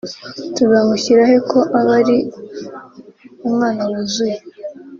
tuzamushyira he ko aba ari umwana wuzuye